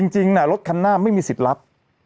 จริงรถคันหน้าไม่มีสิทธิ์รับ